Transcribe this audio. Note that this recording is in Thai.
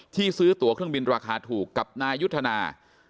ซื้อตัวเครื่องบินราคาถูกกับนายุทธนา